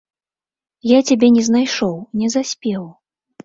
Я цябе не знайшоў, не заспеў.